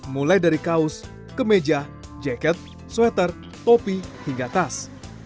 mulai dari kaos kemeja jaket sweater topi hingga tas